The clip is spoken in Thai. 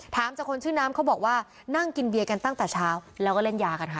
ถามจากคนชื่อน้ำเขาบอกว่านั่งกินเบียร์กันตั้งแต่เช้าแล้วก็เล่นยากันค่ะ